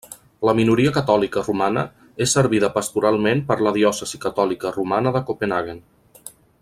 La minoria catòlica romana és servida pastoralment per la Diòcesi Catòlica Romana de Copenhaguen.